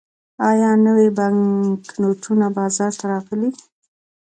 آیا نوي بانکنوټونه بازار ته راغلي؟